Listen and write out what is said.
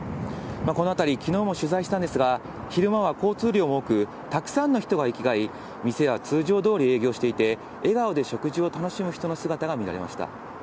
この辺り、きのうも取材したんですが、昼間は交通量も多く、たくさんの人が行き交い、店は通常どおり営業していて、笑顔で食事を楽しむ人の姿が見られました。